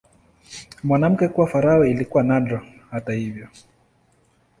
Mwanamke kuwa farao ilikuwa nadra, hata hivyo.